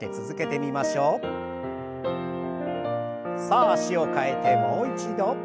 さあ脚を替えてもう一度。